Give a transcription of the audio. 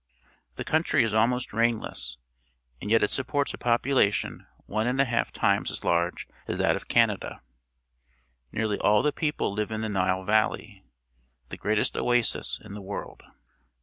The country is almost rainless, and yet it supports a popu lation one and a half times as large as that of Canada. Nearly all the people live in the Nile valley — the greatest oasis in the world.